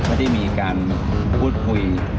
ไม่ได้มีการพูดคุย